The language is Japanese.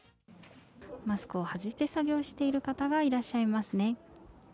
マスクを外して作業している方がいらっしゃいますね。